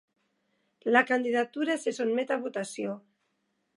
La candidatura se sotmet a votació.